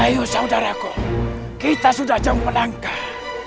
ayo saudaraku kita sudah jauh menangkah